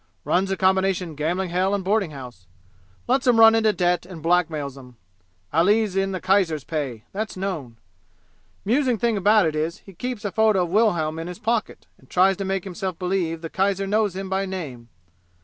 Runs a combination gambling hell and boarding house. Lets 'em run into debt and blackmails 'em. Ali's in the kaiser's pay that's known! 'Musing thing about it is he keeps a photo of Wilhelm in his pocket and tries to make himself believe the kaiser knows him by name.